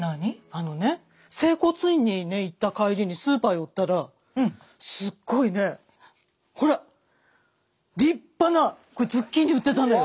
あのね整骨院にね行った帰りにスーパー寄ったらすっごいねほら立派なズッキーニ売ってたの。